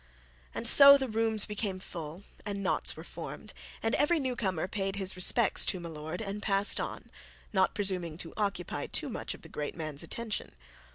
And so the room became full, and knots were formed, and every new comer paid his respects to my lord and passed on, not presuming to occupy too much of the great man's attention.